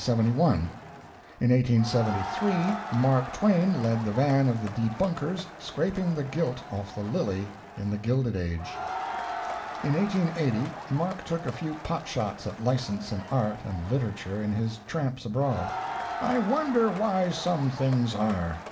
In 1873 Mark Twain led the van of the debunkers, scraping the gilt off the lily in the Gilded Age. In 1880 Mark took a few pot shots at license in Art and Literature in his Tramp Abroad, "I wonder why some things are?